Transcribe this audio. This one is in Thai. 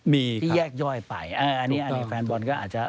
ที่แยกย่อยไปอันนี้แฟนบอลก็อาจจะ